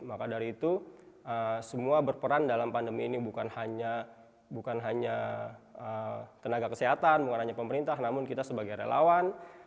dan setelah itu semua berperan dalam pandemi ini bukan hanya tenaga kesehatan bukan hanya pemerintah namun kita sebagai relawan